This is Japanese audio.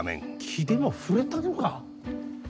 気でも触れたのか。